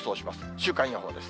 週間予報です。